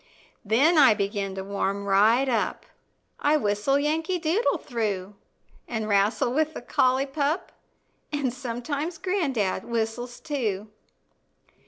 Then I begin to warm right up, I whistle "Yankee Doodle" through, An' wrastle with the collie pup And sometimes gran'dad whistles too.